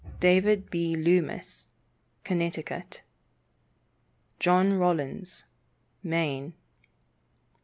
David B. Loomis, Connecticut. John Rollins, Maine.